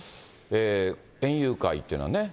園遊会っていうのはね。